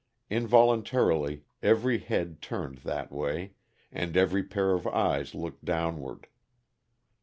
Involuntarily every head turned that way, and every pair of eyes looked downward.